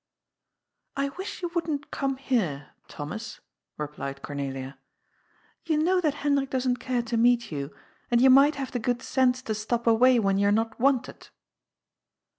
" I wish you wouldn't come here, Thomas,'* replied Cor nelia. " You know that Hendrik doesn't care to meet you, and you might have the good sense to stop away when you're not wanted."